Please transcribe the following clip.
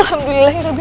alhamdulillah ibu alamin